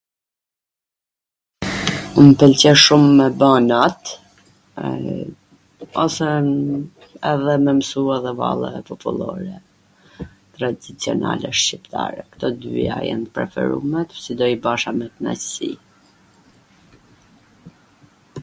Mw pwlqe shum me bw not, ose edhe me msu edhe valle popullore, tradicionale shqiptare, tw dyja jan t preferume, si do i bajsha me knaqsi.